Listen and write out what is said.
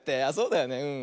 あっそうだよね。